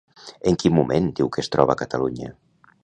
En quin moment diu que es troba Catalunya?